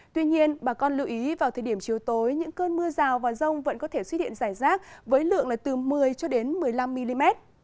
tuy nhiên bà con lưu ý vào thời điểm chiều tối những cơn mưa rào và rông vẫn có thể xuất hiện rải rác với lượng từ một mươi một mươi năm mm